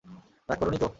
রাগ করোনি তো?